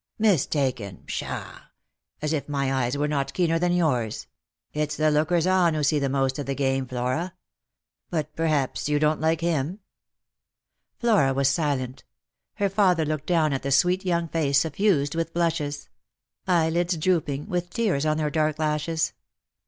" Mistaken ! pshaw ! as if my eyes were not keener than yours. It's the lookers on who see the most of the game, Flora. But perhaps you don't like him P " Flora was silent. Her father looked down at the sweet young face suffused with blushes — eyelids drooping, with tears on their dark lashes.